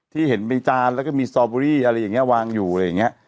ที่เห็นเป็นจานแล้วก็มีสตอเบอรี่อะไรอย่างนี้วางอยู่อะไรอย่างนี้